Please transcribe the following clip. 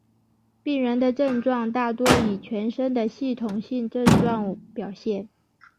病人的症状大多以全身的系统性症状表现。